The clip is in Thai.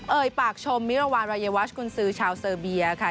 เอ่ยปากชมมิลวานรายเยาวาชกุญสือชาวเสเบียค่ะ